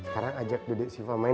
kayaknya memang kadang kadang